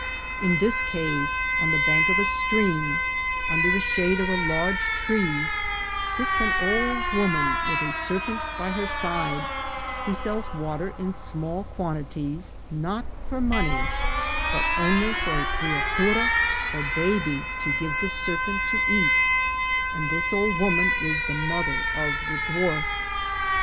In this cave, on the bank of a stream, under the shade of a large tree, sits an old woman with a ser pent by her side, who sells water in small quantities, not for money, but only for a criatura or baby to give the serpent to eat ; and this old woman is the mother of the dwarf.